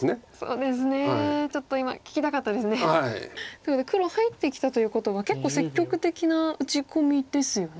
ということで黒入ってきたということは結構積極的な打ち込みですよね